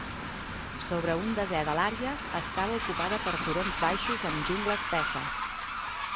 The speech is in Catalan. Sobre un desè de l'àrea estava ocupada per turons baixos amb jungla espessa.